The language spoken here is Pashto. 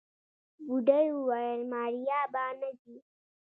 بوډۍ وويل ماريا به نه ځي.